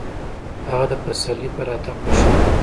هغه د پسرلي په راتګ خوشحاله و.